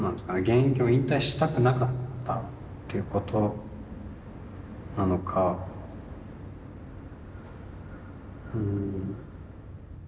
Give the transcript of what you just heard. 現役を引退したくなかったってことなのかうん。